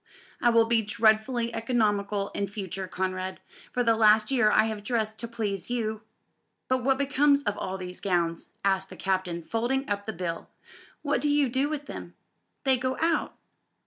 "I will be dreadfully economical in future, Conrad. For the last year I have dressed to please you." "But what becomes of all these gowns?" asked the Captain, folding up the bill; "what do you do with them?" "They go out."